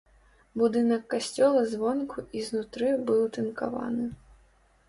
Будынак касцёла звонку і знутры быў тынкаваны.